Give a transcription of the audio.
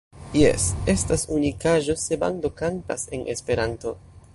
Jes, estas unikaĵo se bando kantas en Esperanto.